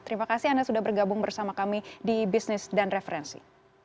terima kasih anda sudah bergabung bersama kami di bisnis dan referensi